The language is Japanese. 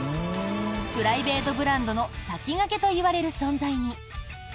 プライベートブランドの先駆けといわれる存在に。